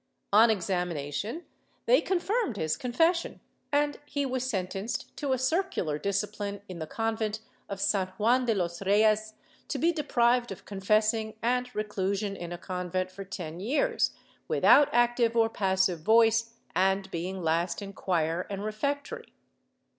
On examination they confirmed his confession, and he was sentenced to a circular discipline in the convent of San Juan de los Reyes, to be deprived of confessing, and reclusion in a convent for ten years, without active or passive voice and being last in choir and refectory.